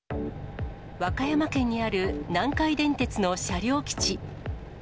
和歌山県にある南海電鉄の車両基地。